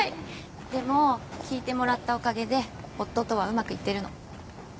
でも聞いてもらったおかげで夫とはうまくいってるの。